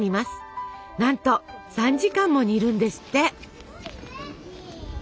なんと３時間も煮るんですって！